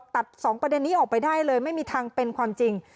ตัดสองประเด็นนี้ออกไปได้เลยไม่มีทางเป็นความจริง